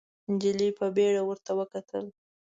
نجلۍ په بيړه ورته وکتل.